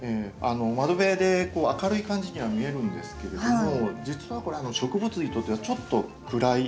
窓辺で明るい感じには見えるんですけれども実はこれ植物にとってはちょっと暗い。